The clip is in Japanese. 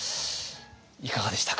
いかがでしたか？